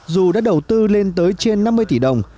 dù đã đầu tư lên tới trên năm mươi tỷ đồng